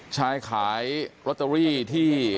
ชายขายรอตเตอรี่ที่